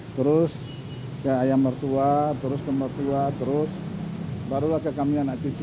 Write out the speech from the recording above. terus ke ayam mertua terus ke mertua terus barulah ke kami anak cucu